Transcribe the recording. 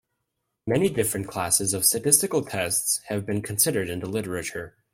Many different classes of statistical tests have been considered in the literature.